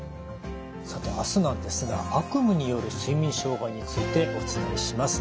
さて明日なんですが悪夢による睡眠障害についてお伝えします。